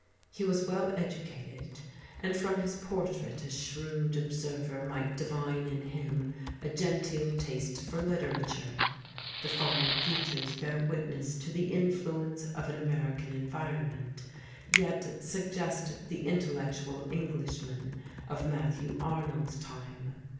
He was well educated, and from his portrait a shrewd observer might divine in him a genteel taste for literature. The fine features bear witness to the influence of an American environment, yet suggest the intellectual Englishman of Matthew Arnold's time.